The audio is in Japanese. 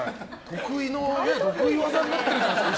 得意技になってるじゃないですか。